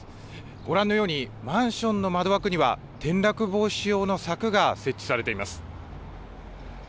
ご覧のように、マンションの窓枠には、転落防止用の柵が設置されています。